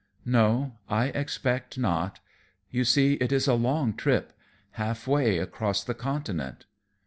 "No, I expect not. You see, it is a long trip; half way across the continent."